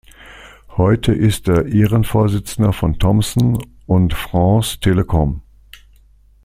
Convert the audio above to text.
Heute ist er Ehrenvorsitzender von Thomson und France Telecom.